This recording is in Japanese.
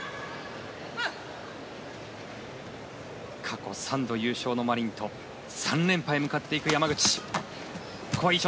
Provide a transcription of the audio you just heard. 過去３度、優勝のマリンと３連覇へ向かっていく山口。